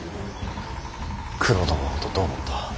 九郎殿のことどう思った。